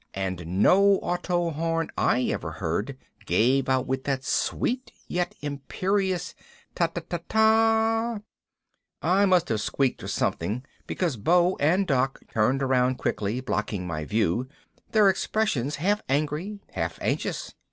And no auto horn I ever heard gave out with that sweet yet imperious ta ta ta TA. I must have squeaked or something, because Beau and Doc turned around quickly, blocking my view, their expressions half angry, half anxious.